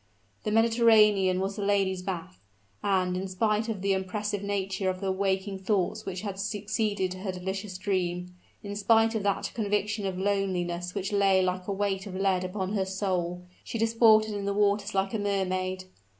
The Mediterranean was the lady's bath: and, in spite of the oppressive nature of the waking thoughts which had succeeded her delicious dream, in spite of that conviction of loneliness which lay like a weight of lead upon her soul, she disported in the waters like a mermaid.